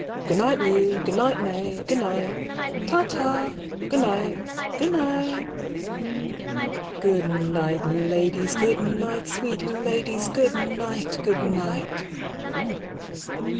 Goonight Lou. Goonight May. Goonight. 170 Ta ta. Goonight. Goonight. Good night, ladies, good night, sweet ladies, good night, good night.